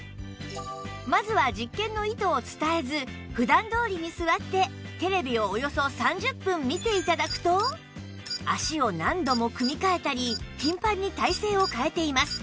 まずは実験の意図を伝えず普段どおりに座ってテレビをおよそ３０分見て頂くと脚を何度も組み替えたり頻繁に体勢を変えています